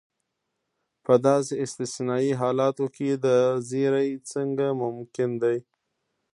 په داسې استثنایي حالتو کې دا زیری څنګه ممکن دی.